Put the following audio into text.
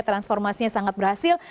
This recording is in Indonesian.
transformasinya sangat berhasil